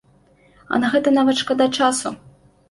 А на гэта нават шкада часу.